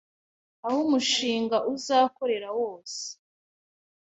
aho umushinga uzakorera wose